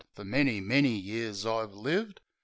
Fer many, many years I've lived.